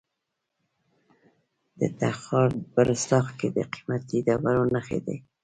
د تخار په رستاق کې د قیمتي ډبرو نښې دي.